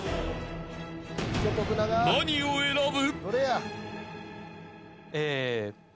［何を選ぶ？］